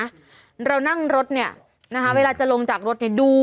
จริงจริงน่ะเรานั่งรถเนี้ยนะคะเวลาจะลงจากรถเนี้ยดู